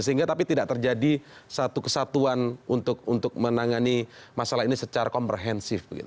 sehingga tapi tidak terjadi satu kesatuan untuk menangani masalah ini secara komprehensif